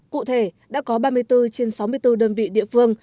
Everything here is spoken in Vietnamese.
cụ thể đã có ba mươi bốn trên sáu mươi bốn đơn vị địa phương